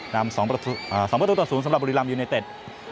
นำ๒ประตูต่อศูนย์สำหรับบุริลำยูไนเต็ด